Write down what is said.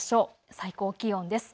最高気温です。